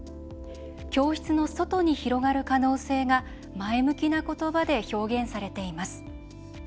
教室の外に広がる可能性が前向きな言葉で表現されています。